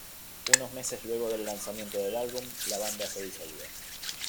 Unos meses luego del lanzamiento del álbum, la banda se disolvió.